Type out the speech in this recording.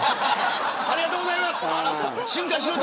ありがとうございます。